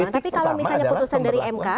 tapi kalau misalnya putusan dari mk